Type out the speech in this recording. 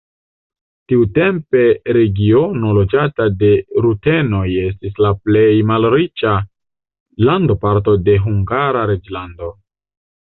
Tiutempe regiono loĝata de rutenoj estis la plej malriĉa landparto de Hungara reĝlando.